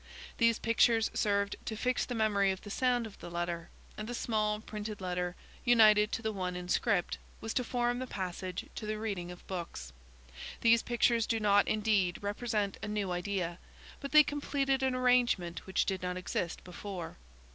These pictures served to fix the memory of the sound of the letter, and the small printed letter united to the one in script, was to form the passage to the reading of books. These pictures do not, indeed, represent a new idea, but they completed an arrangement which did not exist before.